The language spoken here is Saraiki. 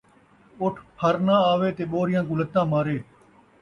اُٹھ پھرنہ آوے تے ٻوریاں کوں لتاں مارے